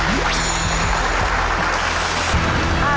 ตอบถูก๓ข้อรับ๑๐๐๐บาท